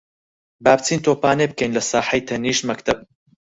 با بچین تۆپانێ بکەین لە ساحەی تەنیشت مەکتەب.